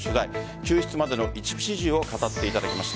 救出までの一部始終を語っていただきました。